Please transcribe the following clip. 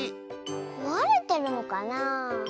こわれてるのかな？